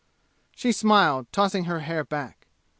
She smiled, tossing her hair back.